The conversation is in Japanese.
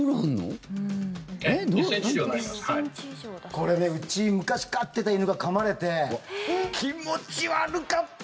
これね、うち昔、飼ってた犬がかまれて気持ち悪かった。